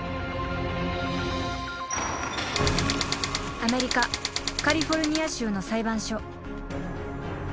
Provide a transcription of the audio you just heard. ［アメリカカリフォルニア州の裁判所］